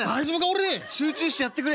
集中してやってくれ。